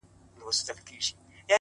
پوهه د انسان تلپاتې ځواک دی,